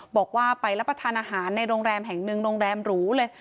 บอกว่าไปรับประทานอาหารในโรงแรมแห่งหนึ่งโรงแรมหรูเลย